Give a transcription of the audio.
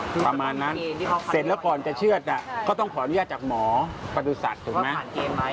ประมาณนั้นเสร็จแล้วก่อนจะเชื่อดน่ะก็ต้องขออนุญาตจากหมอประสุทธิ์ถูกไหม